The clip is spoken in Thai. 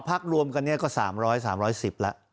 พักรวมกันเนี่ยก็๓๐๐๓๑๐แล้ว